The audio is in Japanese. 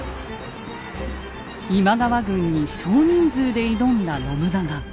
今川軍に少人数で挑んだ信長。